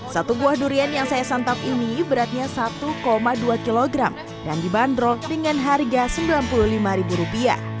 satu buah durian yang saya santap ini beratnya satu dua kg dan dibanderol dengan harga rp sembilan puluh lima